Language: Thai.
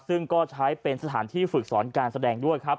ซึ่งก็ใช้เป็นสถานที่ฝึกสอนการแสดงด้วยครับ